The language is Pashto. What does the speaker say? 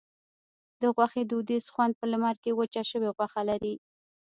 د غوښې دودیز خوند په لمر کې وچه شوې غوښه لري.